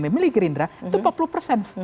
memilih gerindra itu empat puluh persen